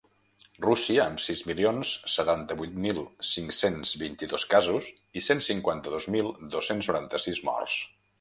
Rússia, amb sis milions setanta-vuit mil cinc-cents vint-i-dos casos i cent cinquanta-dos mil dos-cents noranta-sis morts.